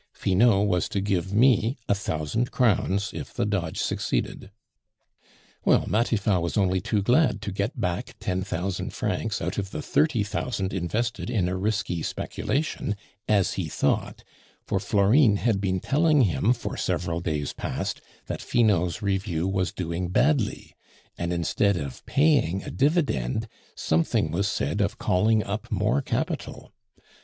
Finot was to give me a thousand crowns if the dodge succeeded. Well, Matifat was only too glad to get back ten thousand francs out of the thirty thousand invested in a risky speculation, as he thought, for Florine had been telling him for several days past that Finot's review was doing badly; and, instead of paying a dividend, something was said of calling up more capital.